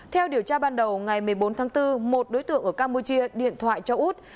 theo điều tra ban đầu ngày một mươi bốn tháng bốn một đối tượng ở campuchia điện thoại cho út